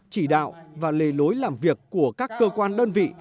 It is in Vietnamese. chỉ đạo và lề lối làm việc của các cơ quan đơn vị